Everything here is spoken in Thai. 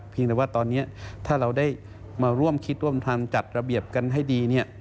แต่ว่าตอนนี้ถ้าเราได้มาร่วมคิดร่วมทำจัดระเบียบกันให้ดี